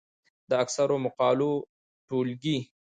د اکثرو مقالو ټولګې،